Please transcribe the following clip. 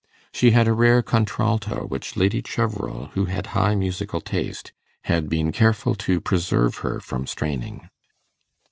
She had a rare contralto, which Lady Cheverel, who had high musical taste, had been careful to preserve her from straining.